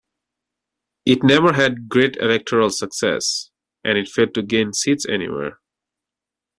It never had great electoral success, and it failed to gain seats anywhere.